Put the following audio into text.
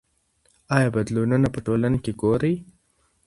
آیا بدلونونه په ټولنه کې ګورئ؟